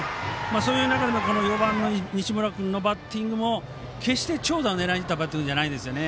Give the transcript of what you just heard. そういう中でも４番の西村君のバッティング決して長打を狙いにいったバッティングじゃないんですよね。